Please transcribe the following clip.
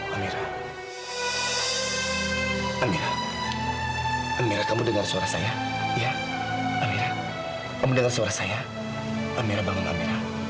amira bangun amira